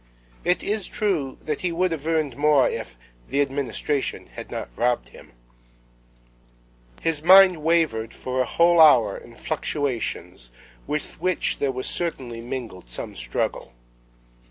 —It is true that he would have earned more if "the administration had not robbed him." His mind wavered for a whole hour in fluctuations with which there was certainly mingled some struggle.